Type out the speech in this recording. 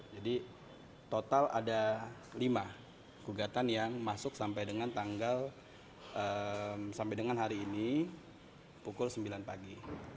jadi total ada lima gugatan yang masuk sampai dengan hari ini pukul sembilan pagi